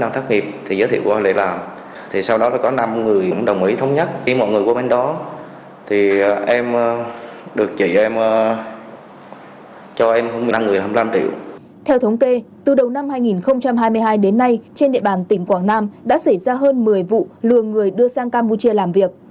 theo thống kê từ đầu năm hai nghìn hai mươi hai đến nay trên địa bàn tỉnh quảng nam đã xảy ra hơn một mươi vụ lừa người đưa sang campuchia làm việc